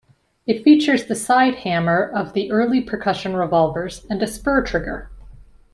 It features the side-hammer of the early percussion revolvers and a spur trigger.